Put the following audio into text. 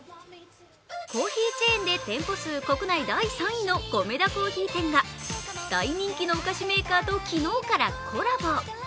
コーヒーチェーンで店舗数国内第３位のコメダ珈琲店が大人気のお菓子メーカーと昨日からコラボ。